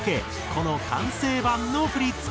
この完成版の振付に。